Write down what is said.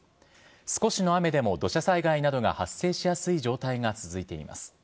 少しの雨でも土砂災害などが発生しやすい状態が続いています。